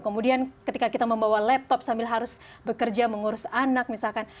kemudian ketika kita membawa laptop sambil harus bekerja mengurus anak misalkan